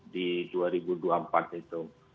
di dua ribu dua puluh empat itu